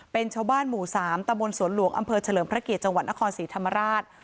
เป็นชาวบ้านหมู่๓ตะบนสวนหลวงอำเภอเฉลิมพระเกียรติจังหวัดนครศรีธรรมราช